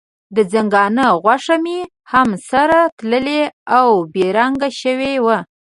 د ځنګانه غوښه مې هم سره تللې او بې رنګه شوې وه.